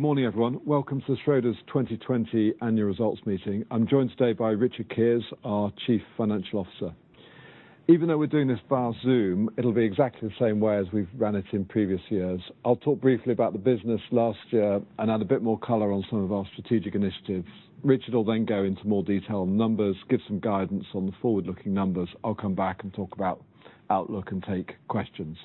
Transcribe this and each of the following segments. Good morning, everyone. Welcome to the Schroders' 2020 annual results meeting. I'm joined today by Richard Keers, our Chief Financial Officer. Even though we're doing this via Zoom, it'll be exactly the same way as we've run it in previous years. I'll talk briefly about the business last year and add a bit more color on some of our strategic initiatives. Richard will go into more detail on numbers, give some guidance on the forward-looking numbers. I'll come back and talk about outlook and take questions.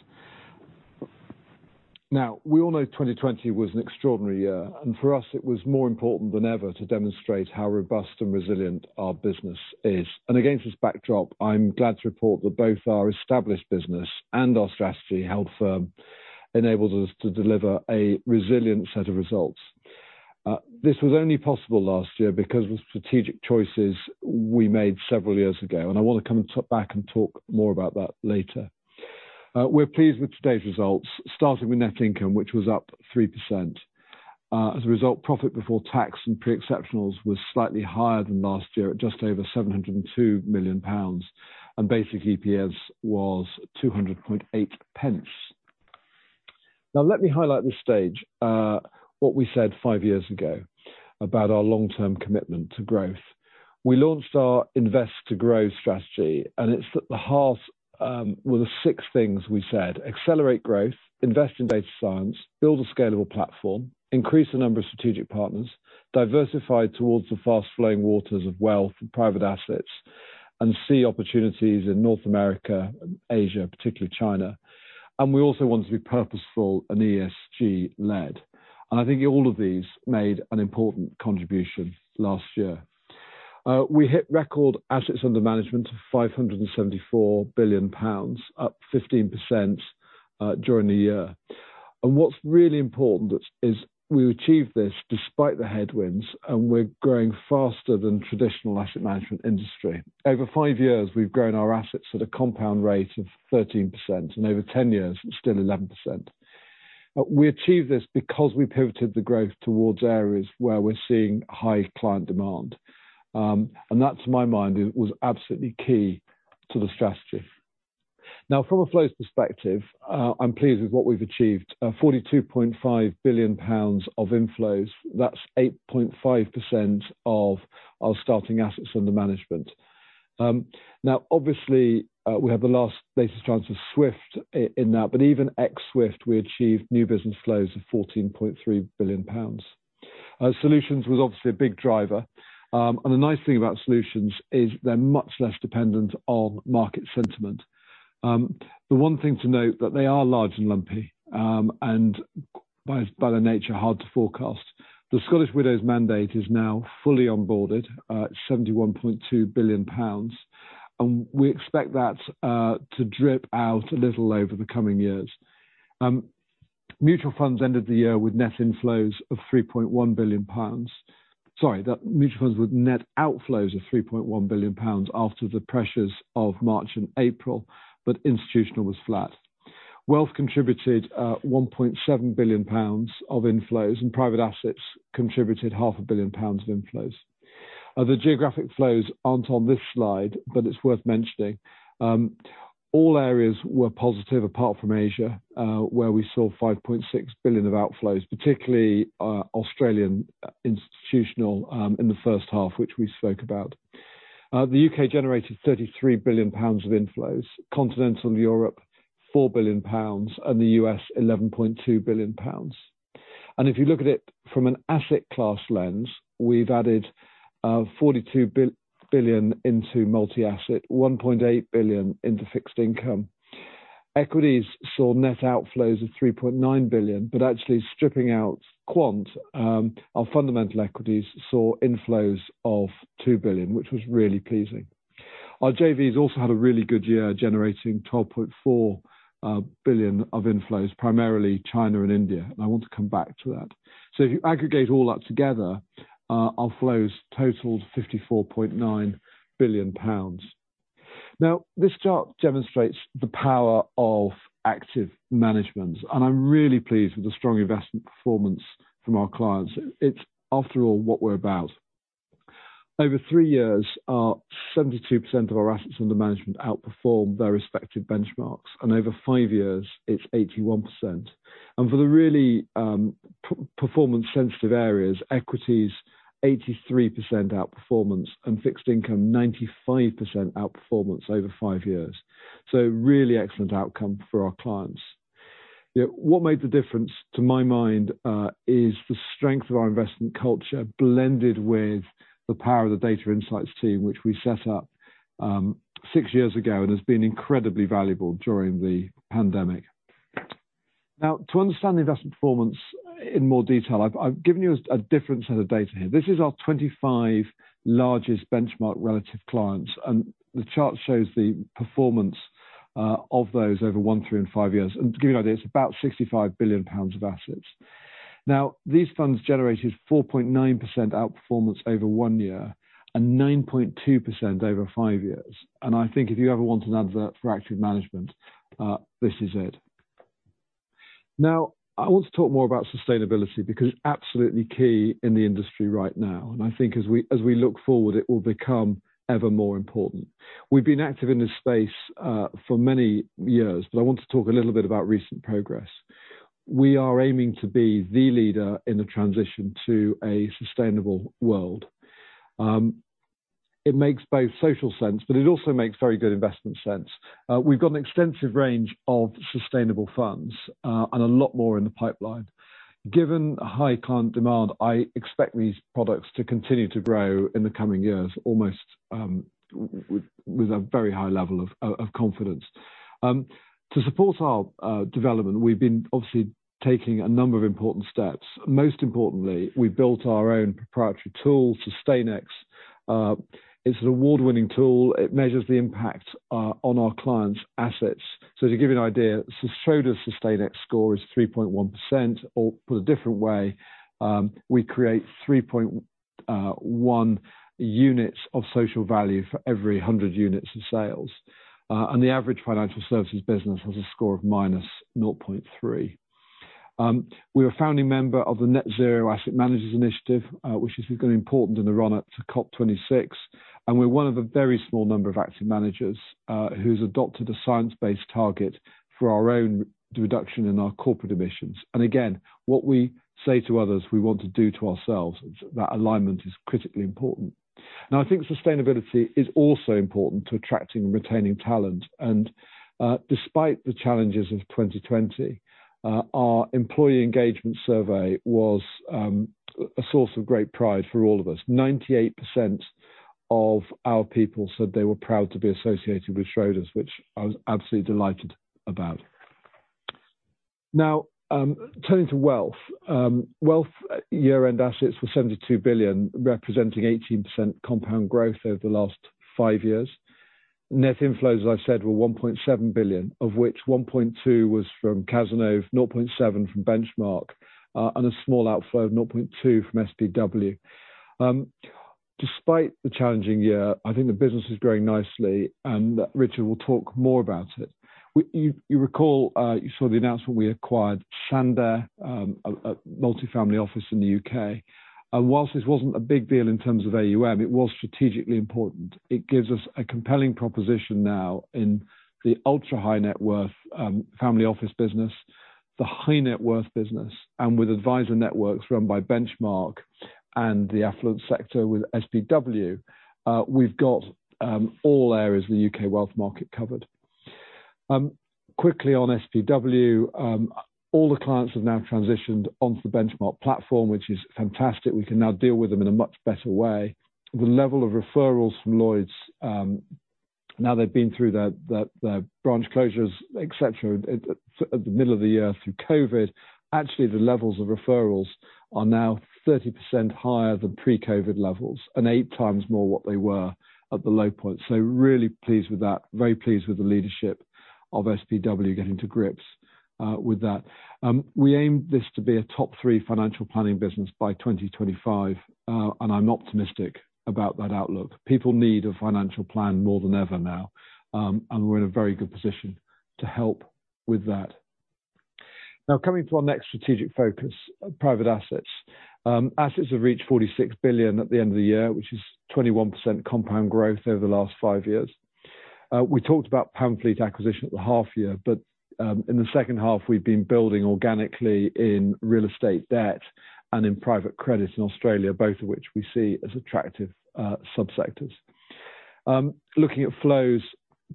Now, we all know 2020 was an extraordinary year, and for us it was more important than ever to demonstrate how robust and resilient our business is. Against this backdrop, I'm glad to report that both our established business and our strategy, held firm, enabled us to deliver a resilient set of results. This was only possible last year because of strategic choices we made several years ago, and I want to come back and talk more about that later. We're pleased with today's results, starting with net income, which was up 3%. As a result, profit before tax and pre-exceptionals was slightly higher than last year at just over 702 million pounds, and basic EPS was 2.008. Now, let me highlight this stage, what we said five years ago about our long-term commitment to growth. We launched our Invest to Grow strategy, and it's at the heart with the six things we said, accelerate growth, invest in data science, build a scalable platform, increase the number of strategic partners, diversify towards the fast-flowing waters of wealth and private assets, and see opportunities in North America and Asia, particularly China. We also wanted to be purposeful and ESG led. I think all of these made an important contribution last year. We hit record assets under management of 574 billion pounds, up 15% during the year. What's really important is we achieved this despite the headwinds, and we're growing faster than traditional asset management industry. Over five years, we've grown our assets at a compound rate of 13%, and over 10 years, still 11%. We achieved this because we pivoted the growth towards areas where we're seeing high client demand. That, to my mind, was absolutely key to the strategy. From a flows perspective, I'm pleased with what we've achieved. 42.5 billion pounds of inflows, that's 8.5% of our starting assets under management. Obviously, we have the last latest tranche of SWs in that, but even ex-SWs, we achieved new business flows of 14.3 billion pounds. Solutions was obviously a big driver. The nice thing about solutions is they're much less dependent on market sentiment. The one thing to note that they are large and lumpy, and by their nature, hard to forecast. The Scottish Widows mandate is now fully onboarded at 71.2 billion pounds, and we expect that to drip out a little over the coming years. Mutual funds ended the year with net inflows of 3.1 billion pounds. Sorry, the mutual funds with net outflows of 3.1 billion pounds after the pressures of March and April, but institutional was flat. Wealth contributed 1.7 billion pounds of inflows, and private assets contributed half a billion pounds of inflows. The geographic flows aren't on this slide, but it's worth mentioning. All areas were positive apart from Asia, where we saw 5.6 billion of outflows, particularly Australian Institutional in the first half, which we spoke about. The U.K. generated 33 billion pounds of inflows, Continental Europe, 4 billion pounds, and the U.S., 11.2 billion pounds. If you look at it from an asset class lens, we've added 42 billion into multi-asset, 1.8 billion into fixed income. Equities saw net outflows of 3.9 billion, but actually stripping out quant, our fundamental equities saw inflows of 2 billion, which was really pleasing. Our JVs also had a really good year generating 12.4 billion of inflows, primarily China and India. I want to come back to that. If you aggregate all that together, our flows totaled 54.9 billion pounds. This chart demonstrates the power of active management, and I'm really pleased with the strong investment performance from our clients. It's, after all, what we're about. Over three years, 72% of our assets under management outperformed their respective benchmarks, and over five years, it's 81%. For the really performance sensitive areas, equities, 83% outperformance, and fixed income, 95% outperformance over five years. Really excellent outcome for our clients. What made the difference, to my mind, is the strength of our investment culture blended with the power of the data insights team, which we set up six years ago and has been incredibly valuable during the pandemic. To understand the investment performance in more detail, I've given you a different set of data here. This is our 25 largest benchmark relative clients, and the chart shows the performance of those over one, three, and five years. To give you an idea, it's about 65 billion pounds of assets. These funds generated 4.9% outperformance over one year and 9.2% over five years. I think if you ever want an advert for active management, this is it. I want to talk more about sustainability because it's absolutely key in the industry right now. I think as we look forward, it will become ever more important. We've been active in this space for many years, but I want to talk a little bit about recent progress. We are aiming to be the leader in the transition to a sustainable world. It makes both social sense, but it also makes very good investment sense. We've got an extensive range of sustainable funds, and a lot more in the pipeline. Given high client demand, I expect these products to continue to grow in the coming years almost with a very high level of confidence. To support our development, we've been obviously taking a number of important steps. Most importantly, we built our own proprietary tool, SustainEx. It's an award-winning tool. It measures the impact on our clients' assets. To give you an idea, Schroders' SustainEx score is 3.1%, or put a different way, we create 3.1 units of social value for every 100 units of sales. The average financial services business has a score of -0.3. We're a founding member of the Net Zero Asset Managers initiative, which is going to be important in the run up to COP26, and we're one of a very small number of asset managers who's adopted a science-based target for our own reduction in our corporate emissions. Again, what we say to others, we want to do to ourselves. That alignment is critically important. I think sustainability is also important to attracting and retaining talent, and despite the challenges of 2020, our employee engagement survey was a source of great pride for all of us. 98% of our people said they were proud to be associated with Schroders, which I was absolutely delighted about. Turning to wealth. Wealth year-end assets were 72 billion, representing 18% compound growth over the last five years. Net inflows, as I've said, were 1.7 billion, of which 1.2 was from Cazenove, 0.7 from Benchmark, a small outflow of 0.2 from SPW. Despite the challenging year, I think the business is growing nicely. Richard will talk more about it. You recall, you saw the announcement we acquired Sandaire, a multi-family office in the U.K. Whilst this wasn't a big deal in terms of AUM, it was strategically important. It gives us a compelling proposition now in the ultra-high net worth family office business, the high net worth business, and with advisor networks run by Benchmark and the affluent sector with SPW. We've got all areas of the U.K. wealth market covered. Quickly on SPW, all the clients have now transitioned onto the Benchmark platform, which is fantastic. We can now deal with them in a much better way. The level of referrals from Lloyds, now they've been through their branch closures, et cetera, at the middle of the year through COVID, actually the levels of referrals are now 30% higher than pre-COVID levels, and eight times more what they were at the low point. Really pleased with that. Very pleased with the leadership of SPW getting to grips with that. We aim this to be a top three financial planning business by 2025, and I'm optimistic about that outlook. People need a financial plan more than ever now, and we're in a very good position to help with that. Coming to our next strategic focus, private assets. Assets have reached 46 billion at the end of the year, which is 21% compound growth over the last five years. We talked about Pamfleet acquisition at the half year, in the second half, we've been building organically in real estate debt and in private credit in Australia, both of which we see as attractive sub-sectors. Looking at flows,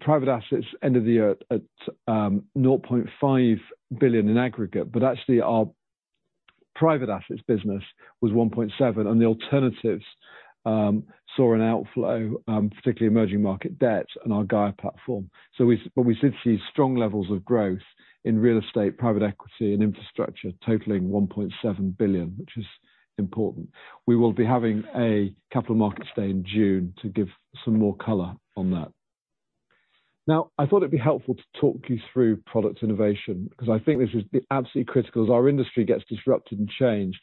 private assets end of the year at 0.5 billion in aggregate, actually our private assets business was 1.7 billion and the alternatives saw an outflow, particularly emerging market debt and our GAIA platform. We did see strong levels of growth in real estate, private equity, and infrastructure totaling 1.7 billion, which is important. We will be having a capital markets day in June to give some more color on that. I thought it'd be helpful to talk you through product innovation because I think this is absolutely critical. As our industry gets disrupted and changed,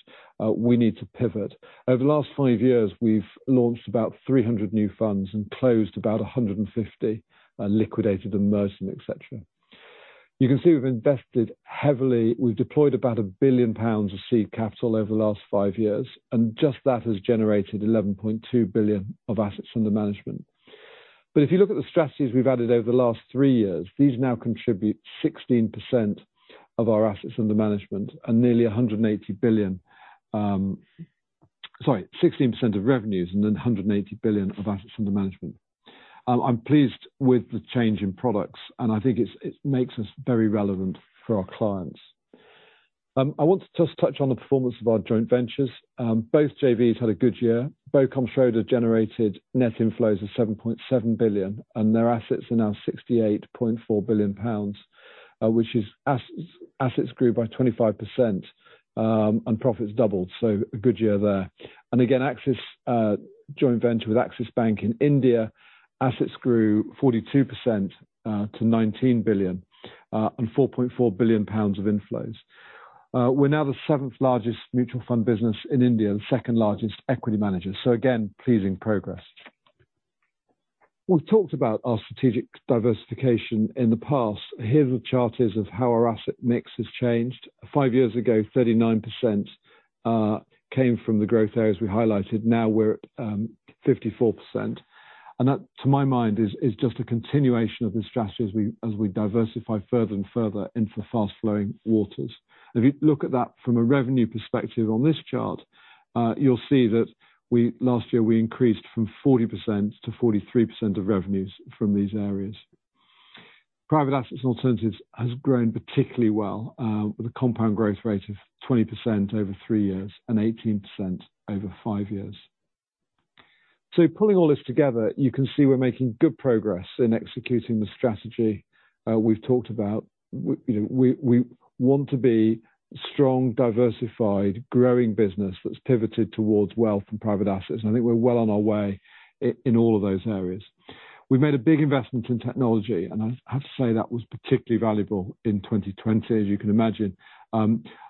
we need to pivot. Over the last five years, we've launched about 300 new funds and closed about 150, liquidated, merged, and et cetera. You can see we've invested heavily. We've deployed about 1 billion pounds of seed capital over the last five years, and just that has generated 11.2 billion of assets under management. If you look at the strategies we've added over the last three years, these now contribute 16% of our assets under management and nearly 180 billion. Sorry, 16% of revenues and then 180 billion of assets under management. I'm pleased with the change in products, and I think it makes us very relevant for our clients. I want to just touch on the performance of our joint ventures. Both JVs had a good year. BOCOM Schroders generated net inflows of 7.7 billion and their assets are now 68.4 billion pounds. Assets grew by 25%, and profits doubled, a good year there. Again, Axis joint venture with Axis Bank in India, assets grew 42% to 19 billion, and 4.4 billion pounds of inflows. We're now the seventh-largest mutual fund business in India and second-largest equity manager. Again, pleasing progress. We've talked about our strategic diversification in the past. Here's a chart of how our asset mix has changed. Five years ago, 39% came from the growth areas we highlighted. Now we're at 54%. That, to my mind, is just a continuation of the strategy as we diversify further and further into fast-flowing waters. If you look at that from a revenue perspective on this chart, you'll see that last year we increased from 40% to 43% of revenues from these areas. Private assets and alternatives has grown particularly well, with a compound growth rate of 20% over three years and 18% over five years. Pulling all this together, you can see we're making good progress in executing the strategy we've talked about. We want to be a strong, diversified, growing business that's pivoted towards wealth and private assets, and I think we're well on our way in all of those areas. We made a big investment in technology, and I have to say that was particularly valuable in 2020, as you can imagine.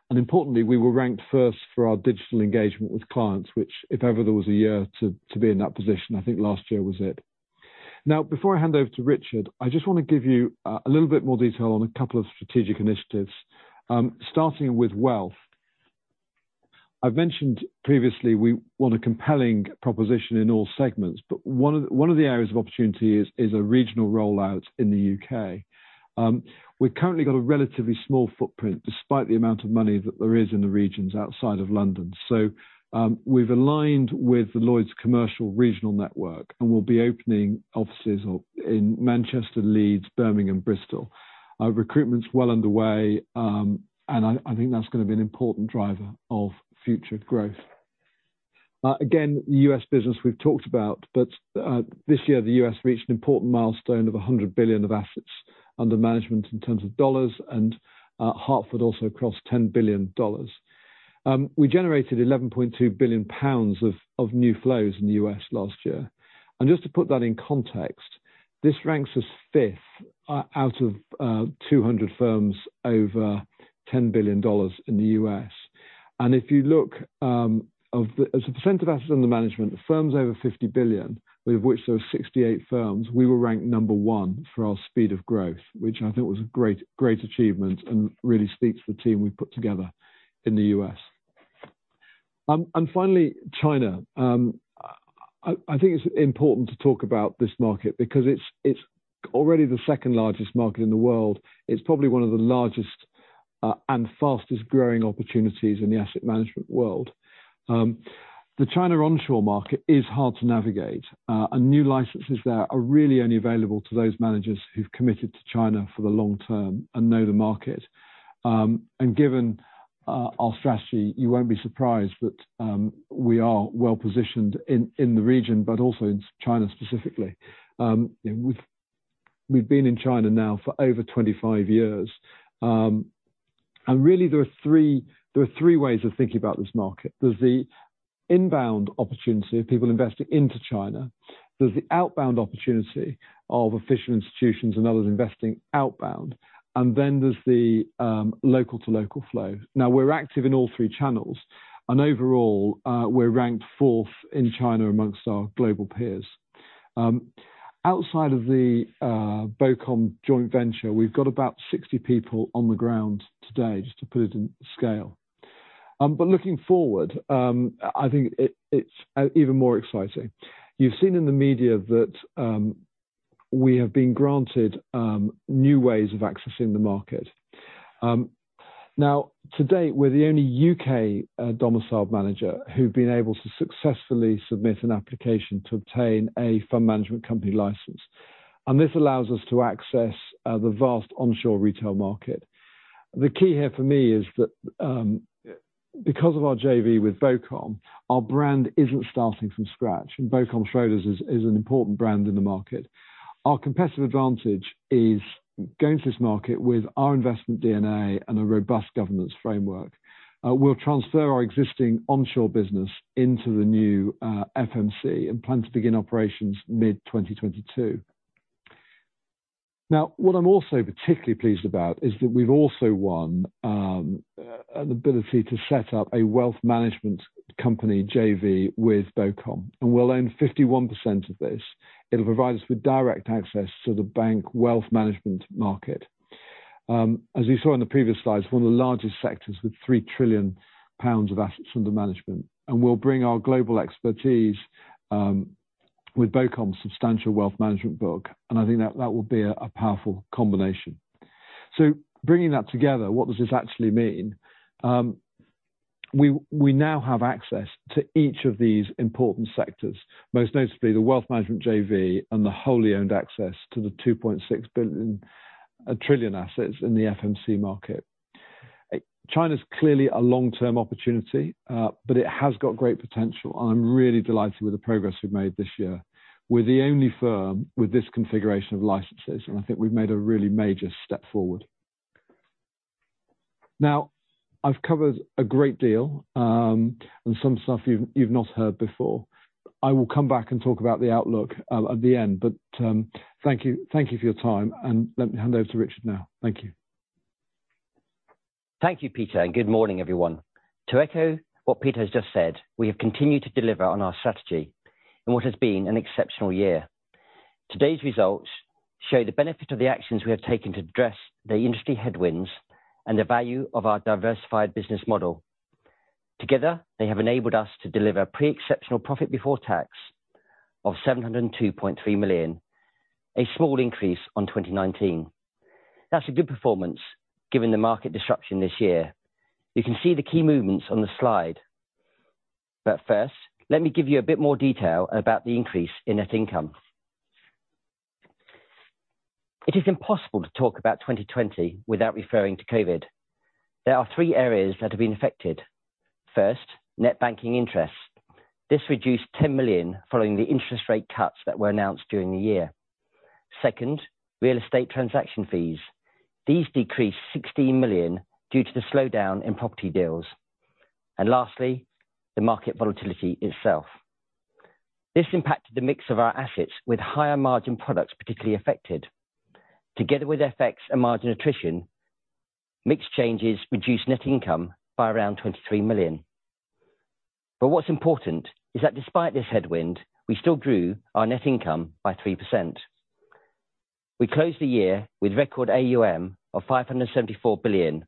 Importantly, we were ranked first for our digital engagement with clients, which if ever there was a year to be in that position, I think last year was it. Before I hand over to Richard, I just want to give you a little bit more detail on a couple of strategic initiatives, starting with wealth. I've mentioned previously we want a compelling proposition in all segments, but one of the areas of opportunity is a regional rollout in the U.K. We've currently got a relatively small footprint, despite the amount of money that there is in the regions outside of London. We've aligned with the Lloyds commercial regional network, and we'll be opening offices in Manchester, Leeds, Birmingham, Bristol. Recruitment's well underway, and I think that's going to be an important driver of future growth. Again, the U.S. business we've talked about, but this year the U.S. reached an important milestone of $100 billion of assets under management in terms of dollars, and Hartford also crossed $10 billion. We generated 11.2 billion pounds of new flows in the U.S. last year. Just to put that in context, this ranks us fifth out of 200 firms over $10 billion in the U.S. If you look, as a percent of assets under management of firms over 50 billion, of which there are 68 firms, we were ranked number one for our speed of growth, which I think was a great achievement and really speaks for the team we've put together in the U.S. Finally, China. I think it's important to talk about this market because it's already the second-largest market in the world. It's probably one of the largest and fastest-growing opportunities in the asset management world. The China onshore market is hard to navigate, and new licenses there are really only available to those managers who've committed to China for the long term and know the market. Given our strategy, you won't be surprised that we are well-positioned in the region, but also in China specifically. We've been in China now for over 25 years. Really there are three ways of thinking about this market. There's the inbound opportunity of people investing into China, there's the outbound opportunity of official institutions and others investing outbound, and then there's the local-to-local flow. We're active in all three channels, and overall, we're ranked fourth in China amongst our global peers. Outside of the BOCOM joint venture, we've got about 60 people on the ground today, just to put it in scale. Looking forward, I think it's even more exciting. You've seen in the media that we have been granted new ways of accessing the market. To date, we're the only U.K.-domiciled manager who've been able to successfully submit an application to obtain a fund management company license. This allows us to access the vast onshore retail market. The key here for me is that because of our JV with BOCOM, our brand isn't starting from scratch. BOCOM Schroders is an important brand in the market. Our competitive advantage is going to this market with our investment DNA and a robust governance framework. We'll transfer our existing onshore business into the new FMC. We plan to begin operations mid-2022. What I'm also particularly pleased about is that we've also won an ability to set up a wealth management company JV with BOCOM. We'll own 51% of this. It'll provide us with direct access to the bank wealth management market. As you saw in the previous slides, one of the largest sectors with 3 trillion pounds of assets under management. We'll bring our global expertise with BOCOM's substantial wealth management book. I think that will be a powerful combination. Bringing that together, what does this actually mean? We now have access to each of these important sectors, most notably the wealth management JV and the wholly owned access to the 2.6 trillion assets in the FMC market. China's clearly a long-term opportunity, but it has got great potential. I'm really delighted with the progress we've made this year. We're the only firm with this configuration of licenses, and I think we've made a really major step forward. I've covered a great deal, and some stuff you've not heard before. I will come back and talk about the outlook at the end. Thank you for your time, and let me hand over to Richard now. Thank you. Thank you, Peter. Good morning, everyone. To echo what Peter has just said, we have continued to deliver on our strategy in what has been an exceptional year. Today's results show the benefit of the actions we have taken to address the industry headwinds and the value of our diversified business model. Together, they have enabled us to deliver pre-exceptional profit before tax of 702.3 million, a small increase on 2019. That's a good performance given the market disruption this year. You can see the key movements on the slide. First, let me give you a bit more detail about the increase in net income. It is impossible to talk about 2020 without referring to COVID. There are three areas that have been affected. First, net banking interest. This reduced 10 million following the interest rate cuts that were announced during the year. Second, real estate transaction fees. These decreased 16 million due to the slowdown in property deals. Lastly, the market volatility itself. This impacted the mix of our assets, with higher margin products particularly affected. Together with FX and margin attrition, mix changes reduced net income by around 23 million. What's important is that despite this headwind, we still grew our net income by 3%. We closed the year with record AUM of 574 billion.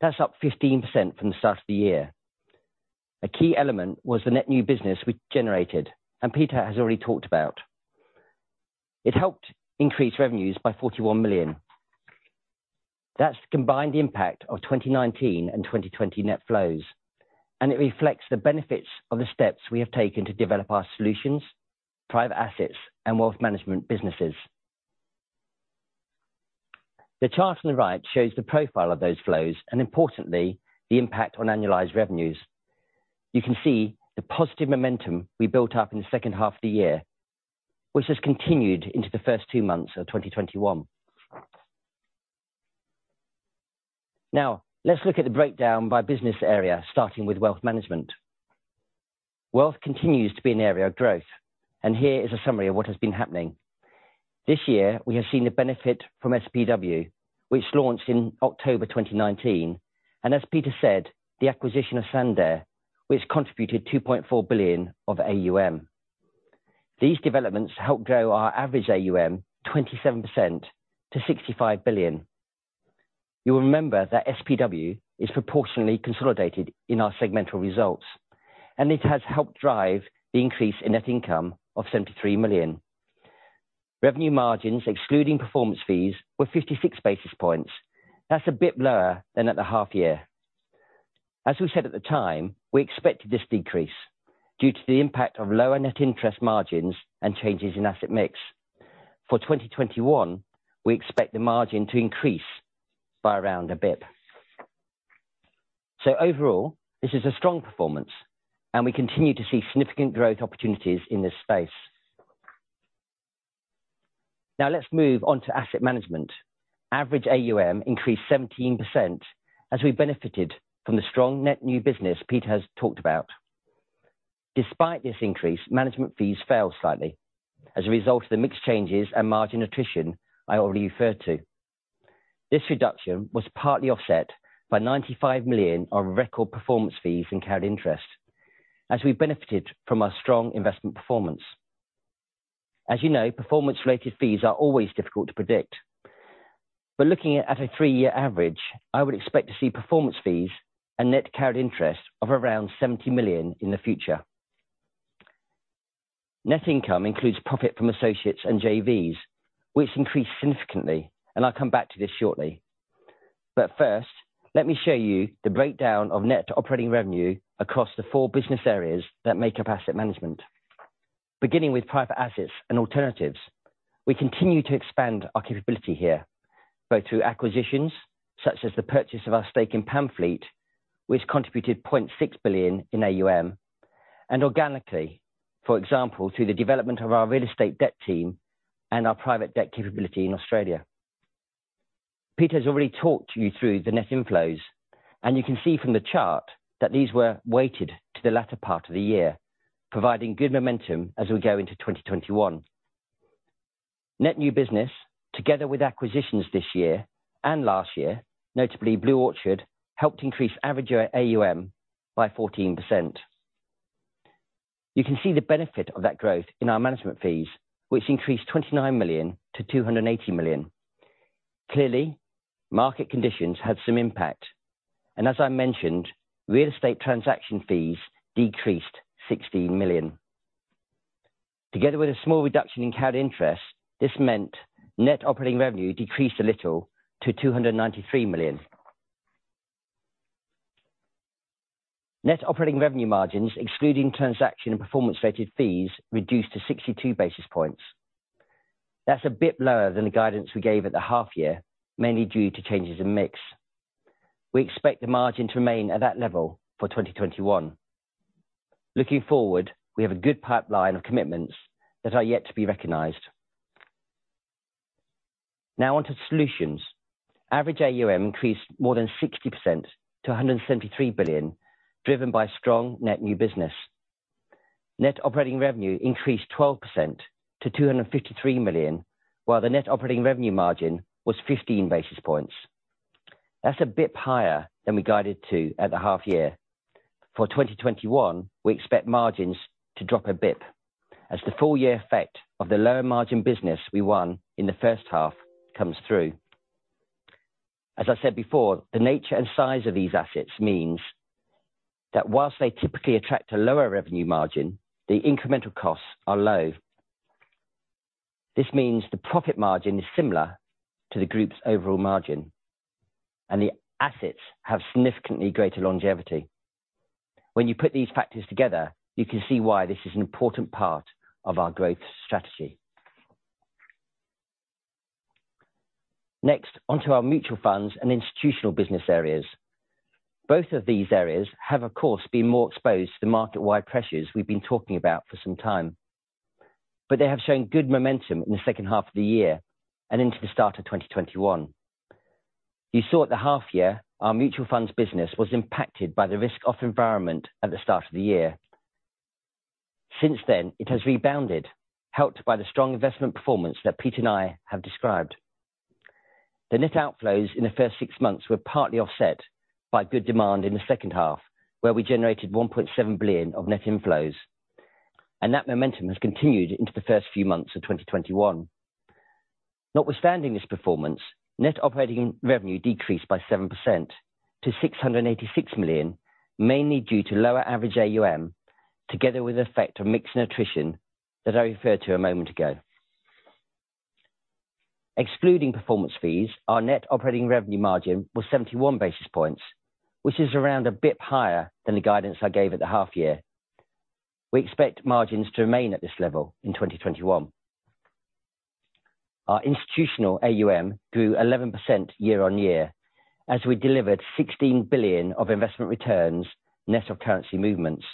That's up 15% from the start of the year. A key element was the net new business we generated. Peter has already talked about it. It helped increase revenues by 41 million. That's the combined impact of 2019 and 2020 net flows, and it reflects the benefits of the steps we have taken to develop our solutions, private assets, and wealth management businesses. The chart on the right shows the profile of those flows, and importantly, the impact on annualized revenues. You can see the positive momentum we built up in the second half of the year, which has continued into the first two months of 2021. Let's look at the breakdown by business area, starting with wealth management. Wealth continues to be an area of growth, and here is a summary of what has been happening. This year, we have seen the benefit from SPW, which launched in October 2019, and as Peter said, the acquisition of Sandaire, which contributed 2.4 billion of AUM. These developments helped grow our average AUM 27% to 65 billion. You'll remember that SPW is proportionally consolidated in our segmental results, and it has helped drive the increase in net income of 73 million. Revenue margins excluding performance fees were 56 basis points. That's a bit lower than at the half year. As we said at the time, we expected this decrease due to the impact of lower net interest margins and changes in asset mix. For 2021, we expect the margin to increase by around a basis point. Overall, this is a strong performance, and we continue to see significant growth opportunities in this space. Let's move on to asset management. Average AUM increased 17% as we benefited from the strong net new business Peter has talked about. Despite this increase, management fees fell slightly as a result of the mix changes and margin attrition I already referred to. This reduction was partly offset by 95 million on record performance fees and carried interest as we benefited from our strong investment performance. As you know, performance related fees are always difficult to predict. Looking at a three-year average, I would expect to see performance fees and net carried interest of around 70 million in the future. Net income includes profit from associates and JVs, which increased significantly, and I'll come back to this shortly. First, let me show you the breakdown of net operating revenue across the four business areas that make up asset management. Beginning with private assets and alternatives, we continue to expand our capability here, both through acquisitions, such as the purchase of our stake in Pamfleet, which contributed 0.6 billion in AUM, and organically, for example, through the development of our real estate debt team and our private debt capability in Australia. Peter has already talked you through the net inflows, and you can see from the chart that these were weighted to the latter part of the year, providing good momentum as we go into 2021. Net new business, together with acquisitions this year and last year, notably BlueOrchard, helped increase average AUM by 14%. You can see the benefit of that growth in our management fees, which increased 29 million to 280 million. Clearly, market conditions had some impact, and as I mentioned, real estate transaction fees decreased 16 million. Together with a small reduction in carried interest, this meant net operating revenue decreased a little to 293 million. Net operating revenue margins, excluding transaction and performance related fees, reduced to 62 basis points. That's a bit lower than the guidance we gave at the half year, mainly due to changes in mix. We expect the margin to remain at that level for 2021. Looking forward, we have a good pipeline of commitments that are yet to be recognized. Now on to solutions. Average AUM increased more than 60% to 173 billion, driven by strong net new business. Net operating revenue increased 12% to 253 million, while the net operating revenue margin was 15 basis points. That's a bit higher than we guided to at the half year. For 2021, we expect margins to drop 1 basis point as the full year effect of the lower margin business we won in the first half comes through. As I said before, the nature and size of these assets means that while they typically attract a lower revenue margin, the incremental costs are low. This means the profit margin is similar to the group's overall margin, and the assets have significantly greater longevity. You put these factors together, you can see why this is an important part of our growth strategy. On to our mutual funds and institutional business areas. Both of these areas have, of course, been more exposed to the market-wide pressures we've been talking about for some time. They have shown good momentum in the second half of the year, and into the start of 2021. You saw at the half year, our mutual funds business was impacted by the risk-off environment at the start of the year. Since then, it has rebounded, helped by the strong investment performance that Peter and I have described. The net outflows in the first six months were partly offset by good demand in the second half, where we generated 1.7 billion of net inflows. That momentum has continued into the first few months of 2021. Notwithstanding this performance, net operating revenue decreased by 7% to 686 million, mainly due to lower average AUM, together with the effect of mix attrition that I referred to a moment ago. Excluding performance fees, our net operating revenue margin was 71 basis points, which is around a bit higher than the guidance I gave at the half year. We expect margins to remain at this level in 2021. Our institutional AUM grew 11% year-on-year, as we delivered 16 billion of investment returns net of currency movements.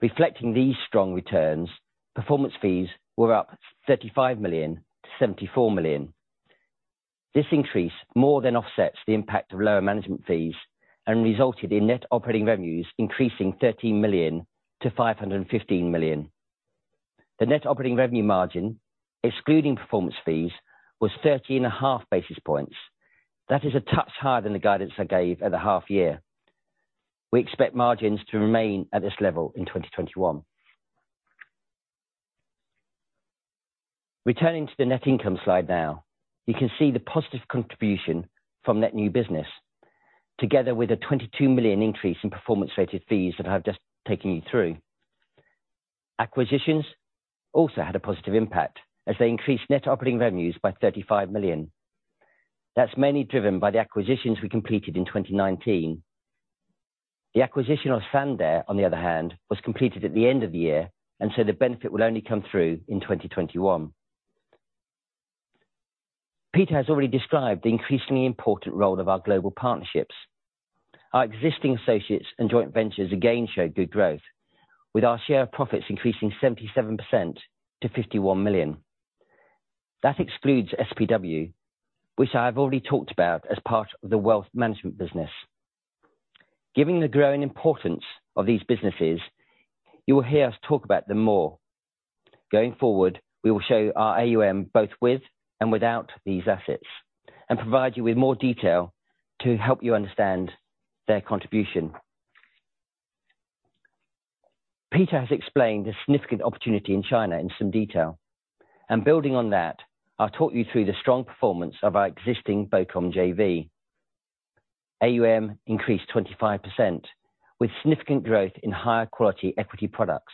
Reflecting these strong returns, performance fees were up 35 million to 74 million. This increase more than offsets the impact of lower management fees and resulted in net operating revenues increasing 13 million to 515 million. The net operating revenue margin, excluding performance fees, was 30.5 basis points. That is a touch higher than the guidance I gave at the half year. We expect margins to remain at this level in 2021. Returning to the net income slide now. You can see the positive contribution from net new business, together with a 22 million increase in performance-rated fees that I've just taken you through. Acquisitions also had a positive impact, as they increased net operating revenues by 35 million. That's mainly driven by the acquisitions we completed in 2019. The acquisition of Sandaire, on the other hand, was completed at the end of the year, and so the benefit will only come through in 2021. Peter has already described the increasingly important role of our global partnerships. Our existing associates and joint ventures again showed good growth, with our share of profits increasing 77% to 51 million. That excludes SPW, which I have already talked about as part of the wealth management business. Given the growing importance of these businesses, you will hear us talk about them more. Going forward, we will show our AUM both with and without these assets, and provide you with more detail to help you understand their contribution. Peter has explained the significant opportunity in China in some detail. Building on that, I'll talk you through the strong performance of our existing BOCOM JV. AUM increased 25%, with significant growth in higher quality equity products.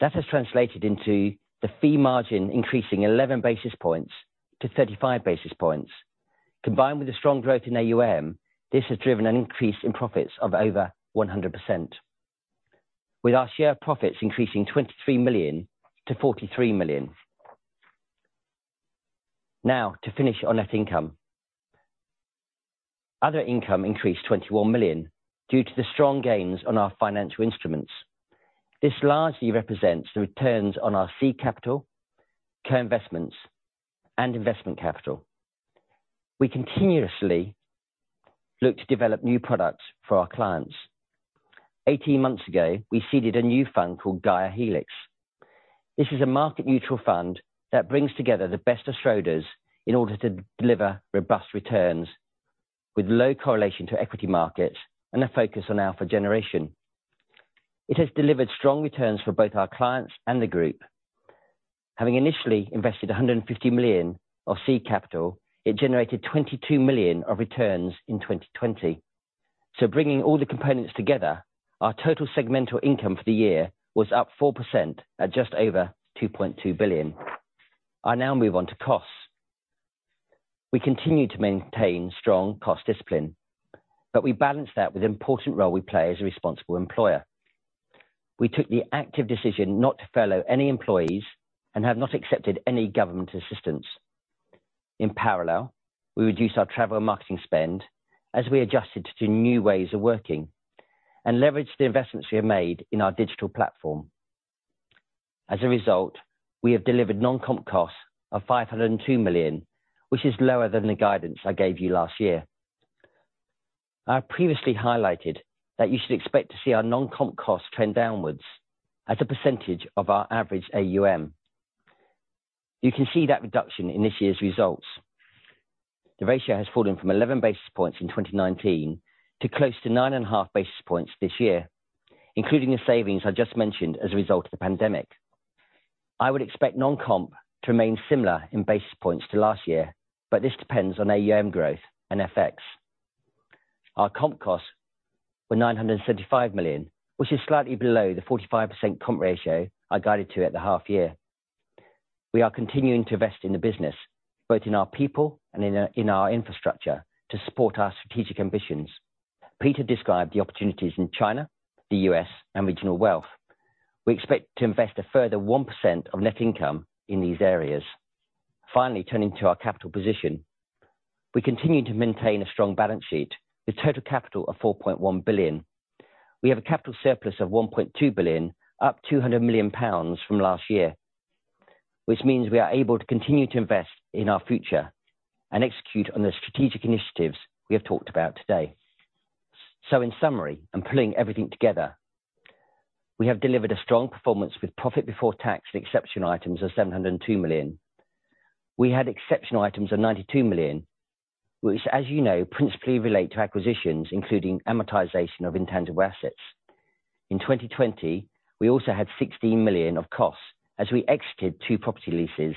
That has translated into the fee margin increasing 11 basis points to 35 basis points. Combined with the strong growth in AUM, this has driven an increase in profits of over 100%. With our share of profits increasing 23 million to 43 million. To finish on net income. Other income increased 21 million due to the strong gains on our financial instruments. This largely represents the returns on our seed capital, co-investments, and investment capital. We continuously look to develop new products for our clients. 18 months ago, we seeded a new fund called GAIA Helix. This is a market neutral fund that brings together the best of Schroders in order to deliver robust returns, with low correlation to equity markets and a focus on alpha generation. It has delivered strong returns for both our clients and the group. Having initially invested 150 million of seed capital, it generated 22 million of returns in 2020. Bringing all the components together, our total segmental income for the year was up 4% at just over 2.2 billion. I now move on to costs. We continue to maintain strong cost discipline, but we balance that with the important role we play as a responsible employer. We took the active decision not to furlough any employees and have not accepted any government assistance. In parallel, we reduced our travel marketing spend as we adjusted to new ways of working and leveraged the investments we have made in our digital platform. As a result, we have delivered non-comp costs of 502 million, which is lower than the guidance I gave you last year. I previously highlighted that you should expect to see our non-comp costs trend downwards as a percentage of our average AUM. You can see that reduction in this year's results. The ratio has fallen from 11 basis points in 2019 to close to nine and a half basis points this year, including the savings I just mentioned as a result of the pandemic. I would expect non-comp to remain similar in basis points to last year, but this depends on AUM growth and FX. Our comp costs were 975 million, which is slightly below the 45% comp ratio I guided to at the half year. We are continuing to invest in the business, both in our people and in our infrastructure to support our strategic ambitions. Peter described the opportunities in China, the U.S., and regional wealth. We expect to invest a further 1% of net income in these areas. Turning to our capital position. We continue to maintain a strong balance sheet with total capital of 4.1 billion. We have a capital surplus of 1.2 billion, up 200 million pounds from last year, which means we are able to continue to invest in our future and execute on the strategic initiatives we have talked about today. In summary, and pulling everything together, we have delivered a strong performance with profit before tax and exceptional items of 702 million. We had exceptional items of 92 million, which, as you know, principally relate to acquisitions including amortization of intangible assets. In 2020, we also had 16 million of costs as we exited two property leases,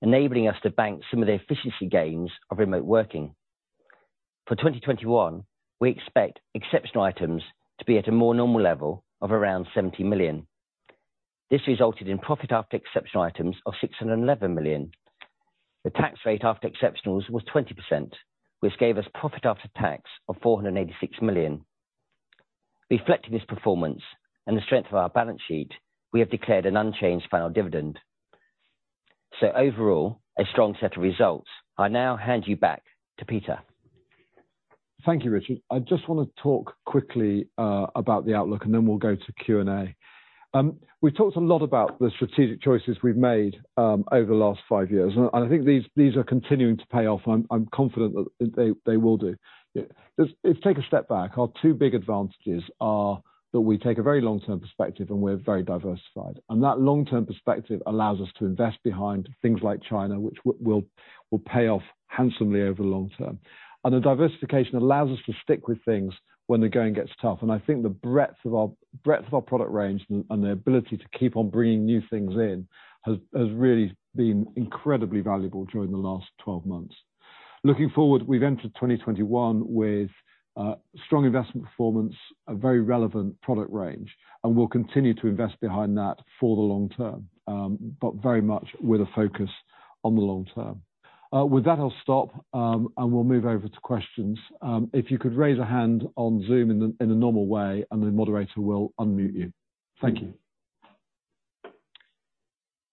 enabling us to bank some of the efficiency gains of remote working. For 2021, we expect exceptional items to be at a more normal level of around 70 million. This resulted in profit after exceptional items of 611 million. The tax rate after exceptionals was 20%, which gave us profit after tax of 486 million. Reflecting this performance and the strength of our balance sheet, we have declared an unchanged final dividend. Overall, a strong set of results. I now hand you back to Peter. Thank you, Richard. I just want to talk quickly about the outlook, and then we'll go to Q&A. We've talked a lot about the strategic choices we've made over the last five years, and I think these are continuing to pay off. I'm confident that they will do. Let's take a step back. Our two big advantages are that we take a very long-term perspective, and we're very diversified. That long-term perspective allows us to invest behind things like China, which will pay off handsomely over the long term. The diversification allows us to stick with things when the going gets tough. I think the breadth of our product range and the ability to keep on bringing new things in has really been incredibly valuable during the last 12 months. Looking forward, we've entered 2021 with strong investment performance, a very relevant product range, and we'll continue to invest behind that for the long term, but very much with a focus on the long term. With that, I'll stop, and we'll move over to questions. If you could raise a hand on Zoom in a normal way and the moderator will unmute you. Thank you.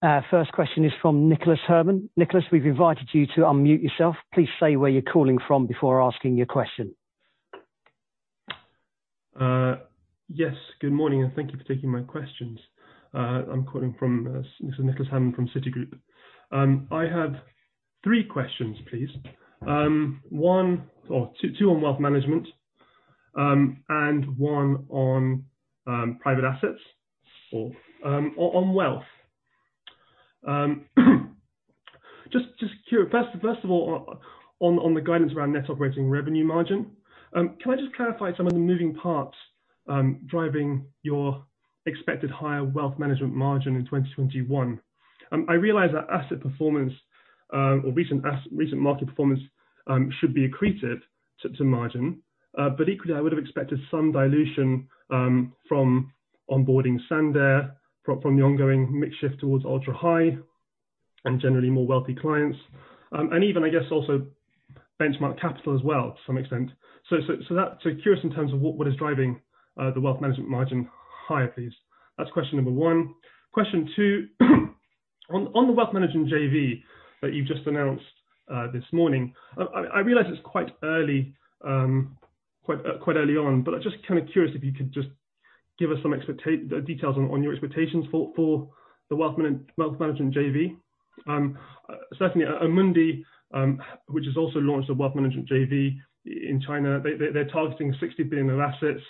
Our first question is from Nicholas Herman. Nicholas, we've invited you to unmute yourself. Please say where you're calling from before asking your question. Yes. Good morning, thank you for taking my questions. This is Nicholas Herman from Citigroup. I have three questions, please. Two on wealth management, and one on private assets or on wealth. First of all, on the guidance around net operating revenue margin, can I just clarify some of the moving parts driving your expected higher wealth management margin in 2021? I realize that asset performance or recent market performance should be accretive to margin. Equally, I would have expected some dilution from onboarding Sandaire, from the ongoing mix shift towards ultra-high, and generally more wealthy clients. Even, I guess, also Benchmark Capital as well to some extent. Curious in terms of what is driving the wealth management margin higher, please. That's question number one. Question two, on the wealth management JV that you've just announced this morning. I realize it's quite early on, but I'm just kind of curious if you could just give us some details on your expectations for the wealth management JV. Certainly Amundi, which has also launched a wealth management JV in China. They're targeting 60 billion of assets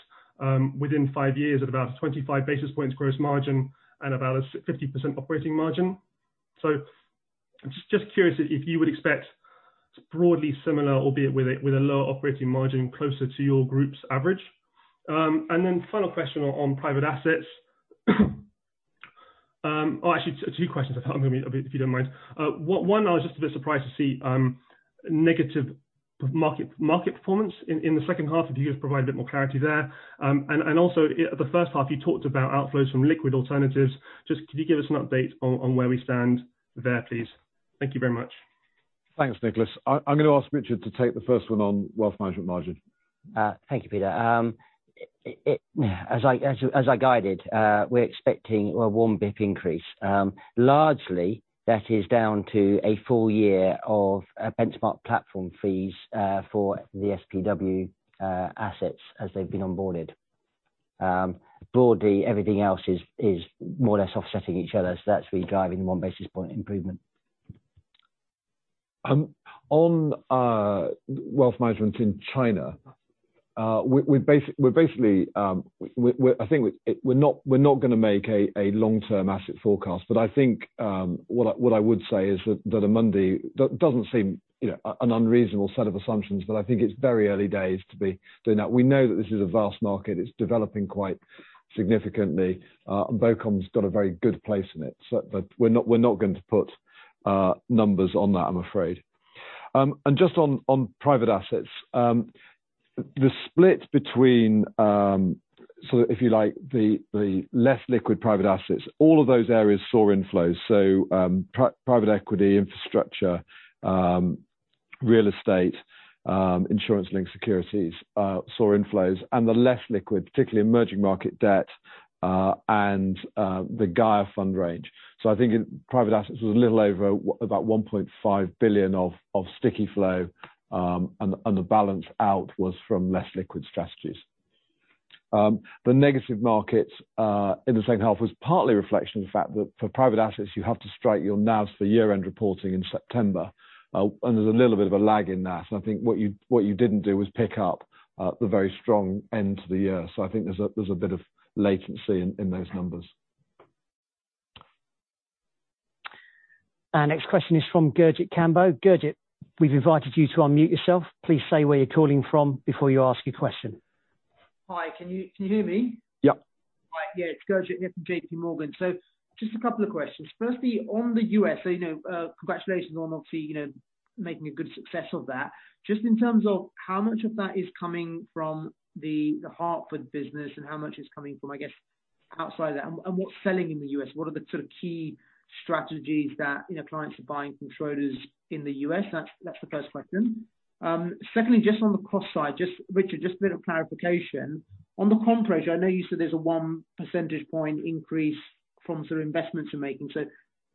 within five years at about 25 basis points gross margin and about a 50% operating margin. I'm just curious if you would expect broadly similar, albeit with a lower operating margin closer to your group's average. Then final question on private assets. Actually two questions, if you don't mind. One, I was just a bit surprised to see negative market performance in the second half. Could you just provide a bit more clarity there? Also at the first half, you talked about outflows from liquid alternatives. Just could you give us an update on where we stand there, please? Thank you very much. Thanks, Nicholas. I'm going to ask Richard to take the first one on wealth management margin. Thank you, Peter. As I guided, we're expecting a 1 basis point increase. Largely, that is down to a full year of benchmark platform fees for the SPW assets as they've been onboarded. Broadly, everything else is more or less offsetting each other, so that's really driving the one basis point improvement. On wealth management in China, I think we're not going to make a long-term asset forecast. I think what I would say is that Amundi doesn't seem an unreasonable set of assumptions, but I think it's very early days to be doing that. We know that this is a vast market. It's developing quite significantly. BOCOM's got a very good place in it. We're not going to put numbers on that, I'm afraid. On private assets, the split between, if you like, the less liquid private assets, all of those areas saw inflows. Private equity, infrastructure, real estate, insurance-linked securities saw inflows and the less liquid, particularly emerging market debt, and the GAIA fund range. I think private assets was a little over about 1.5 billion of sticky flow, and the balance out was from less liquid strategies. The negative markets in the second half was partly a reflection of the fact that for private assets, you have to strike your NAVs for year-end reporting in September, and there's a little bit of a lag in that. I think what you didn't do was pick up the very strong end to the year. I think there's a bit of latency in those numbers. Our next question is from Gurjit Kambo. Gurjit, we've invited you to unmute yourself. Please say where you're calling from before you ask your question. Hi, can you hear me? Yep. Right. Gurjit here from JPMorgan. Just a couple of questions. Firstly, on the U.S., congratulations on obviously making a good success of that. Just in terms of how much of that is coming from The Hartford business and how much is coming from, I guess, outside that and what's selling in the U.S., what are the sort of key strategies that clients are buying from Schroders in the U.S.? That's the first question. Secondly, just on the cost side, Richard, just a bit of clarification. On the comp ratio, I know you said there's a one percentage point increase from sort of investments you're making.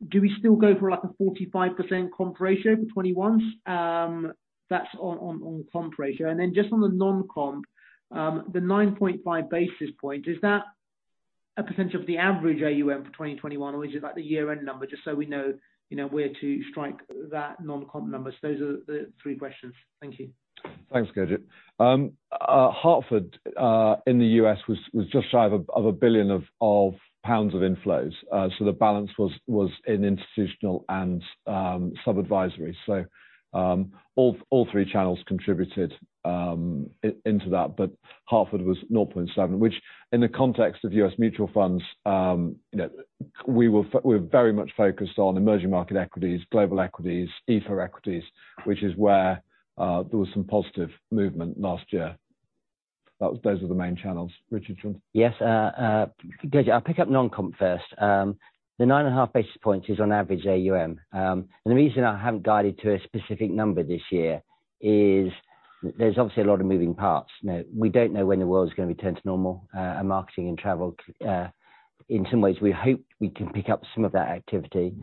Do we still go for a 45% comp ratio for 2021? That's on comp ratio. Then just on the non-comp, the 9.5 basis points, is that a percentage of the average AUM for 2021 or is it like the year-end number, just so we know where to strike that non-comp number? Those are the three questions. Thank you. Thanks, Gurjit. Hartford, in the U.S., was just shy of 1 billion pounds of inflows. The balance was in institutional and sub-advisory. All three channels contributed into that, but Hartford was 0.7 billion, which in the context of U.S. mutual funds, we're very much focused on emerging market equities, global equities, EAFE equities, which is where there was some positive movement last year. Those were the main channels. Richard? Yes. Gurjit, I'll pick up non-comp first. The 9.5 basis points is on average AUM. The reason I haven't guided to a specific number this year is there's obviously a lot of moving parts. We don't know when the world's going to return to normal and marketing and travel. In some ways, we hope we can pick up some of that activity.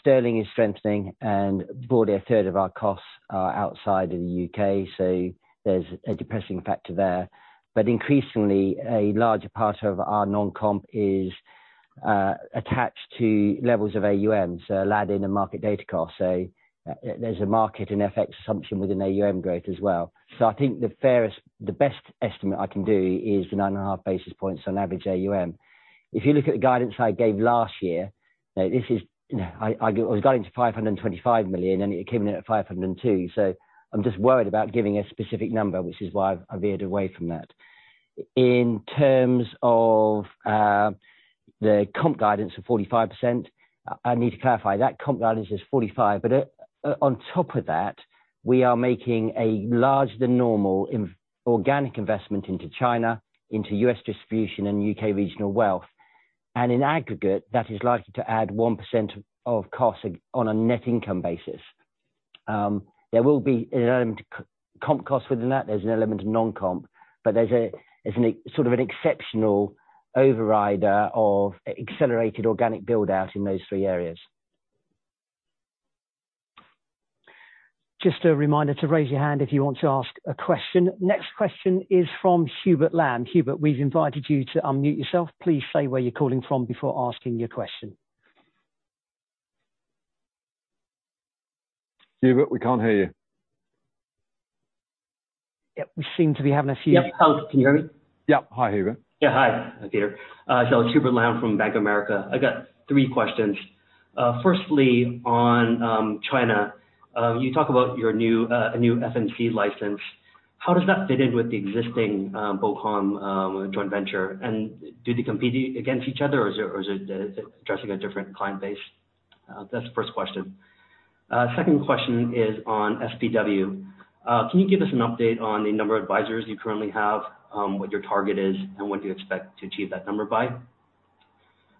Sterling is strengthening and broadly a third of our costs are outside of the U.K., so there's a depressing factor there. Increasingly, a larger part of our non-comp is attached to levels of AUM, so LDI and market data cost. There's a market and FX assumption within AUM growth as well. I think the best estimate I can do is the 9.5 basis points on average AUM. If you look at the guidance I gave last year, I was guiding to 525 million and it came in at 502. I'm just worried about giving a specific number, which is why I've veered away from that. In terms of the comp guidance of 45%, I need to clarify that comp guidance is 45%, on top of that, we are making a larger than normal organic investment into China, into U.S. distribution and U.K. regional wealth. In aggregate, that is likely to add 1% of costs on a net income basis. There will be an element of comp cost within that. There's an element of non-comp, there's a sort of an exceptional overrider of accelerated organic build-out in those three areas. Just a reminder to raise your hand if you want to ask a question. Next question is from Hubert Lam. Hubert, we've invited you to unmute yourself. Please say where you're calling from before asking your question. Hubert, we can't hear you. Yep, we seem to be having. Yep. Can you hear me? Yep. Hi, Hubert. Hi. It's Hubert Lam from Bank of America. I got three questions. Firstly, on China, you talk about your new FMC license. How does that fit in with the existing BOCOM joint venture, and do they compete against each other, or is it addressing a different client base? That's the first question. Second question is on SPW. Can you give us an update on the number of advisors you currently have, what your target is, and when do you expect to achieve that number by?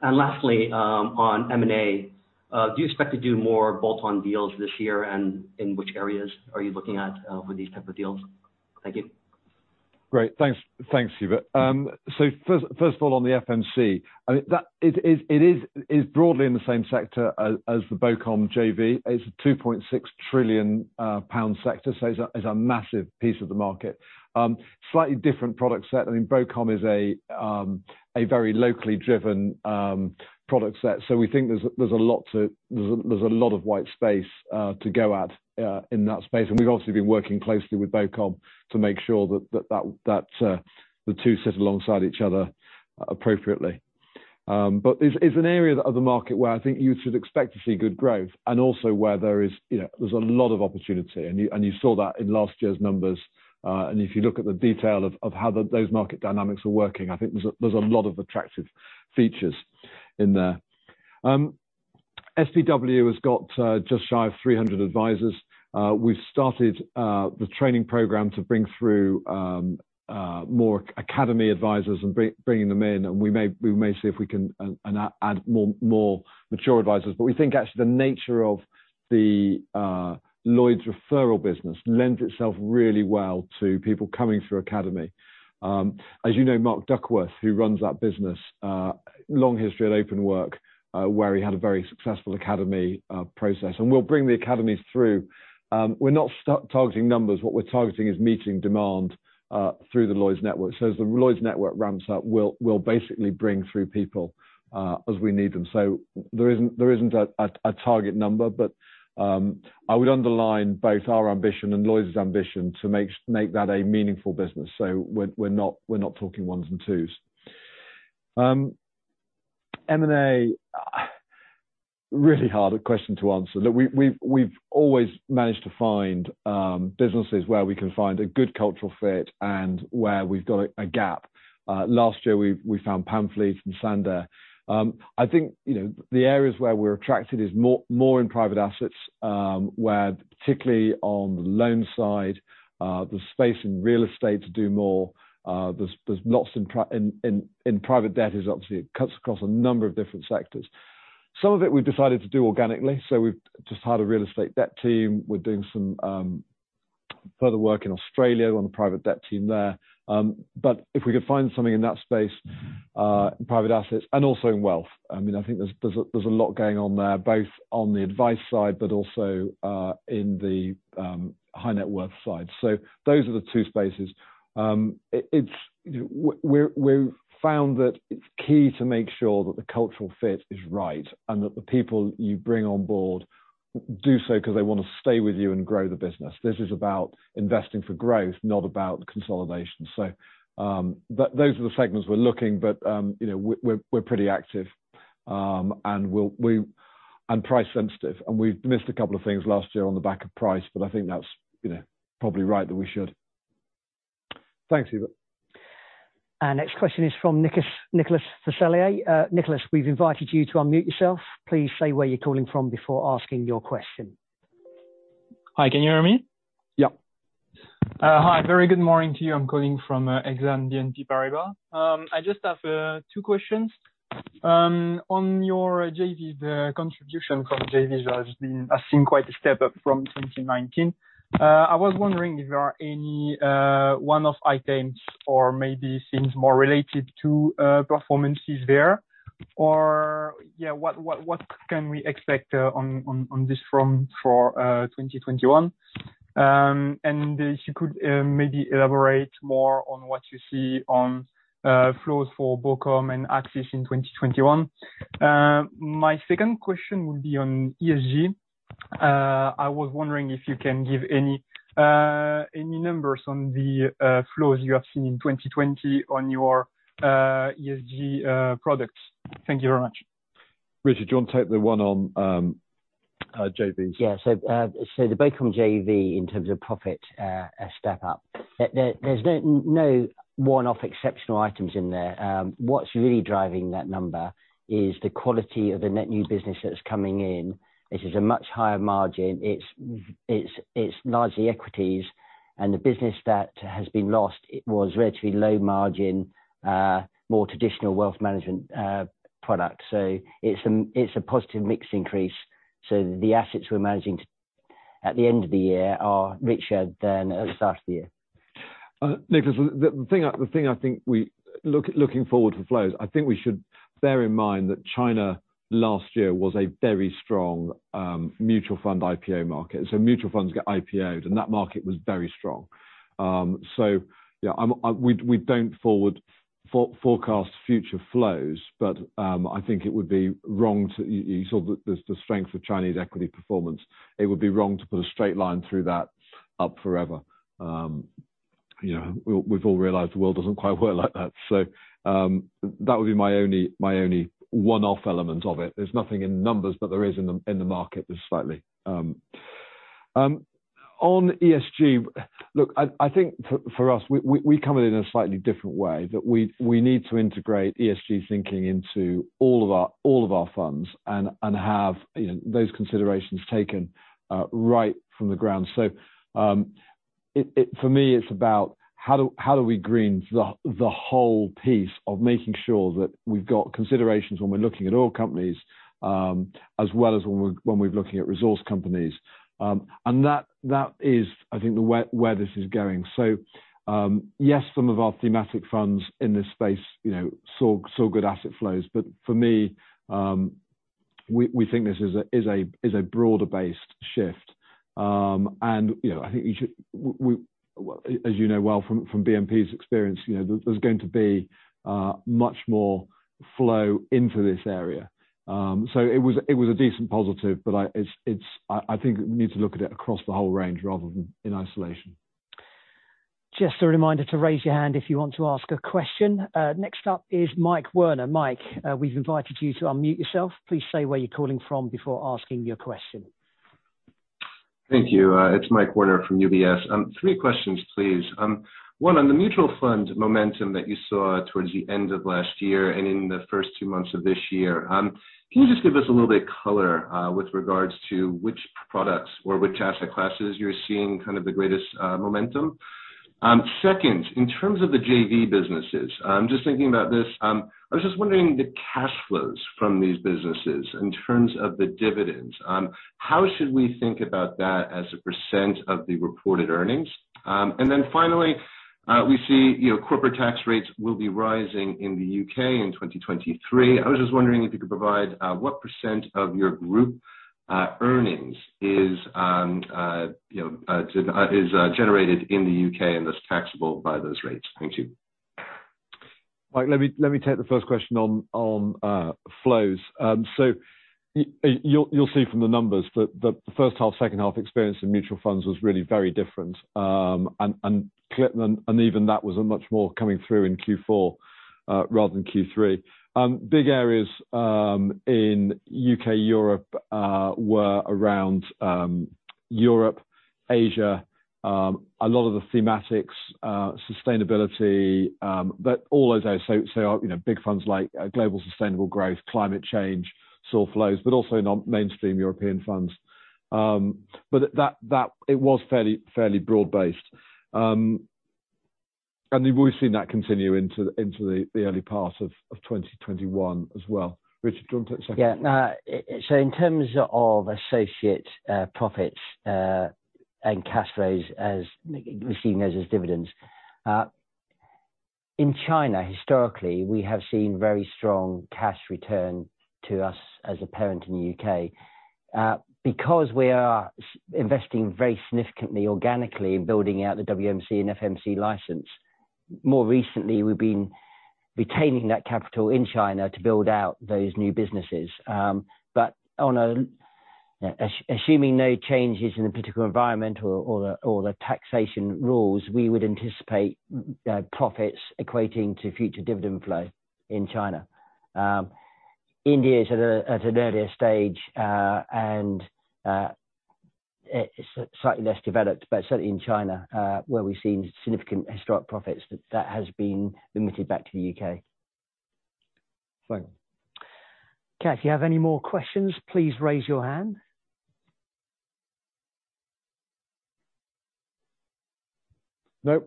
Lastly, on M&A, do you expect to do more bolt-on deals this year, and in which areas are you looking at for these type of deals? Thank you. Great. Thanks, Hubert. First of all, on the FMC, it is broadly in the same sector as the BOCOM JV. It's a 2.6 trillion pound sector, so it's a massive piece of the market. Slightly different product set. I mean, BOCOM is a very locally driven product set. We think there's a lot of white space to go at in that space, and we've obviously been working closely with BOCOM to make sure that the two sit alongside each other appropriately. It's an area of the market where I think you should expect to see good growth and also where there's a lot of opportunity, and you saw that in last year's numbers. If you look at the detail of how those market dynamics are working, I think there's a lot of attractive features in there. SPW has got just shy of 300 advisors. We've started the training program to bring through more academy advisors and bringing them in, and we may see if we can add more mature advisors. We think actually the nature of the Lloyds referral business lends itself really well to people coming through academy. As you know, Mark Duckworth, who runs that business, long history at Openwork, where he had a very successful academy process. We'll bring the academies through. We're not targeting numbers. What we're targeting is meeting demand through the Lloyds network. As the Lloyds network ramps up, we'll basically bring through people as we need them. There isn't a target number, but I would underline both our ambition and Lloyds ambition to make that a meaningful business. We're not talking ones and twos. M&A, really hard question to answer. Look, we've always managed to find businesses where we can find a good cultural fit and where we've got a gap. Last year, we found Pamfleet and Sandaire. I think the areas where we're attracted is more in private assets, where particularly on the loan side, there's space in real estate to do more. There's lots in private debt is obviously it cuts across a number of different sectors. Some of it we've decided to do organically, so we've just hired a real estate debt team. We're doing some further work in Australia on the private debt team there. If we could find something in that space, private assets, and also in wealth. I think there's a lot going on there, both on the advice side, but also in the high net worth side. Those are the two spaces. We've found that it's key to make sure that the cultural fit is right and that the people you bring on board do so because they want to stay with you and grow the business. This is about invest to grow, not about consolidation. Those are the segments we're looking, but we're pretty active, and price sensitive, and we've missed a couple of things last year on the back of price, but I think that's probably right that we should. Thanks, Hubert. Our next question is from Nicholas. [inaudible] Nicholas, we've invited you to unmute yourself. Please say where you're calling from before asking your question. Hi, can you hear me? Yeah. Hi, very good morning to you. I'm calling from Exane BNP Paribas. I just have two questions. On your JV, the contribution from JV has been, I've seen quite a step up from 2019. I was wondering if there are any one-off items or maybe things more related to performances there or what can we expect on this front for 2021? If you could maybe elaborate more on what you see on flows for BOCOM and Axis in 2021. My second question would be on ESG. I was wondering if you can give any numbers on the flows you have seen in 2020 on your ESG products. Thank you very much. Richard, do you want to take the one on JVs? The BOCOM JV in terms of profit step up, there's no one-off exceptional items in there. What's really driving that number is the quality of the net new business that's coming in. It is a much higher margin. It's largely equities and the business that has been lost, it was relatively low margin, more traditional wealth management product. It's a positive mix increase. The assets we're managing at the end of the year are richer than at the start of the year. Nicholas, looking forward for flows, I think we should bear in mind that China last year was a very strong mutual fund IPO market. Mutual funds got IPO'd and that market was very strong. Yeah, we don't forecast future flows. You saw the strength of Chinese equity performance. It would be wrong to put a straight line through that up forever. We've all realized the world doesn't quite work like that. That would be my only one-off element of it. There's nothing in numbers, there is in the market just slightly. On ESG, look, I think for us, we come at it in a slightly different way, that we need to integrate ESG thinking into all of our funds and have those considerations taken right from the ground. For me, it's about how do we green the whole piece of making sure that we've got considerations when we're looking at oil companies, as well as when we're looking at resource companies. That is, I think, where this is going. Yes, some of our thematic funds in this space saw good asset flows. For me, we think this is a broader-based shift. As you know well from BNP's experience, there's going to be much more flow into this area. It was a decent positive, but I think we need to look at it across the whole range rather than in isolation. Just a reminder to raise your hand if you want to ask a question. Next up is Mike Werner. Mike, we've invited you to unmute yourself. Please say where you're calling from before asking your question. Thank you. It's Mike Werner from UBS. three questions, please. One, on the mutual fund momentum that you saw towards the end of last year and in the first two months of this year, can you just give us a little bit of color with regards to which products or which asset classes you're seeing the greatest momentum? Second, in terms of the JV businesses, I'm just thinking about this. I was just wondering, the cash flows from these businesses in terms of the dividends, how should we think about that as a percent of the reported earnings? Finally, we see corporate tax rates will be rising in the U.K. in 2023. I was just wondering if you could provide what percent of your group earnings is generated in the U.K. and is taxable by those rates. Thank you. Mike, let me take the first question on flows. You'll see from the numbers that the first half, second half experience in mutual funds was really very different. Even that was much more coming through in Q4 rather than Q3. Big areas in U.K., Europe were around Europe, Asia, a lot of the thematics, sustainability, but all those areas. Big funds like global sustainable growth, climate change, saw flows, but also mainstream European funds. It was fairly broad-based. We've seen that continue into the early part of 2021 as well. Richard, do you want to take the second one? In terms of associate profits and cash flows as receiving those as dividends, in China historically, we have seen very strong cash return to us as a parent in the U.K. We are investing very significantly organically in building out the WMC and FMC license, more recently, we've been retaining that capital in China to build out those new businesses. Assuming no changes in the political environment or the taxation rules, we would anticipate profits equating to future dividend flow in China. India is at an earlier stage, and it is slightly less developed, but certainly in China, where we've seen significant historic profits, that has been remitted back to the U.K. Fine. Okay. If you have any more questions, please raise your hand. No.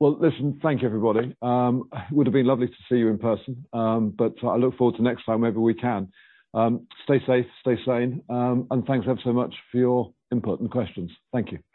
Well, listen, thank you everybody. It would've been lovely to see you in person, but I look forward to next time, maybe we can. Stay safe, stay sane, thanks ever so much for your input and questions. Thank you.